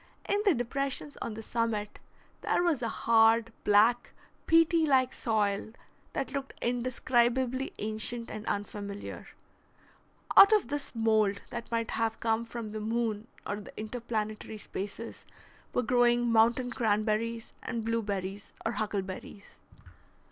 In the depressions on the summit there was a hard, black, peaty like soil that looked indescribably ancient and unfamiliar. Out of this mould, that might have come from the moon or the interplanetary spaces, were growing mountain cranberries and blueberries or huckleberries.